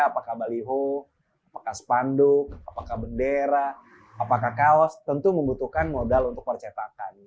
apakah baliho apakah spanduk apakah bendera apakah kaos tentu membutuhkan modal untuk percetakan